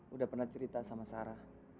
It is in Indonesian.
udah pernah cerita sama sarah